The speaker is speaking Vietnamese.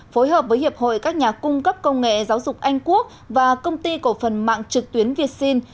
phối hợp với hiệp hội các nhà cung cấp công nghệ giáo dục anh quốc và công ty cổ phần mạng trực tuyến việt sinh